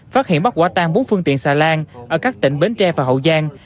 phát hiện bắt quả tan bốn phương tiện xà lan ở các tỉnh bến tre và hậu giang